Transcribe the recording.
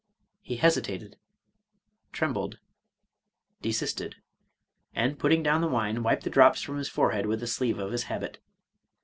He hesitated, — trembled, — desisted ; and, putting down the wine, wiped the drops from his forehead with the sleeve of his habit.